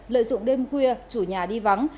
lợi dụng đêm khuya chủ nhà đi vắng